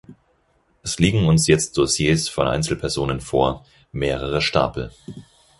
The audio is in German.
Es liegen uns jetzt Dossiers von Einzelpersonen vor, mehrere Stapel.